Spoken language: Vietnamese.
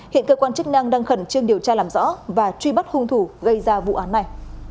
hiện cơ quan chức năng đang khẩn trương điều tra làm rõ và truy bắt hung thủ gây ra vụ án này